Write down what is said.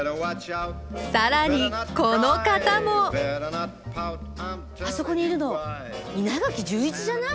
更にこの方もあそこにいるの稲垣潤一じゃない？